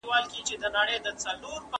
ایا تاسې په پښتو ژبه لیکل کولای سئ؟